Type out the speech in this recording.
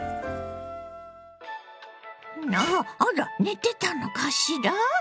あら寝てたのかしら？